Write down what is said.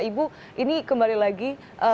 ibu ini kembali lagi